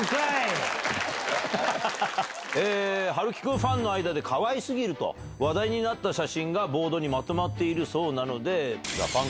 陽喜くんファンの間でかわい過ぎると話題になった写真がボードにまとまっているそうなので。